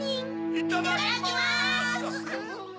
いただきます！